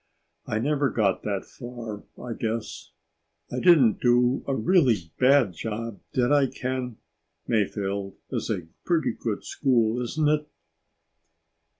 I never got that far, I guess. "I didn't do a really bad job, did I, Ken? Mayfield is a pretty good school, isn't it?"